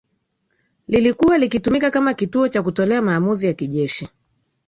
lilikuwa likitumika kama kituo cha kutolea maamuzi ya kijeshi